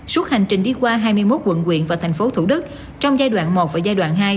suốt hành trình đi qua hai mươi một quận quyện và thành phố thủ đức trong giai đoạn một và giai đoạn hai